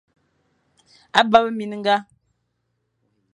A bap minga.